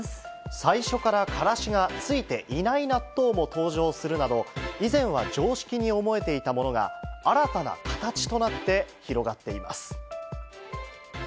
最初からカラシがついていない納豆も登場するなど、以前は常識に思えていたものが、新たな形となって広がっています。